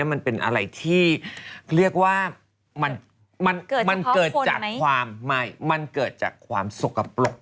มันเป็นอะไรที่เรียกว่ามันเกิดจากความสกปรก